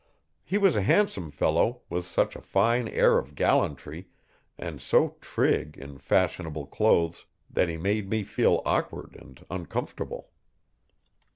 He was a handsome fellow, with such a fine air of gallantry and so prig in fashionable clothes that he made me feel awkward and uncomfortable.